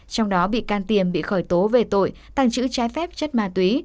trong đó bị can tiềm bị khởi tố về tội tăng chữ trái phép chất ma túy